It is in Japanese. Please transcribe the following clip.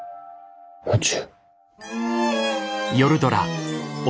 宇宙？